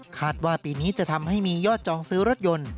คาดว่าปีนี้จะทำให้มียอดจองซื้อรถยนต์